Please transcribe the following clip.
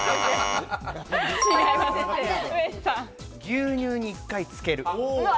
牛乳に１回つける。